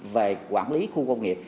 về quản lý khu công nghiệp